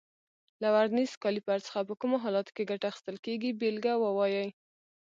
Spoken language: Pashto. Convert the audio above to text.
له ورنیز کالیپر څخه په کومو حالاتو کې ګټه اخیستل کېږي بېلګه ووایئ.